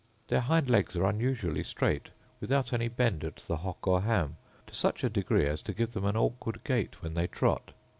Their hind legs are unusually straight, without any bend at the hock or ham, to such a degree as to give them an awkward gait when they trot.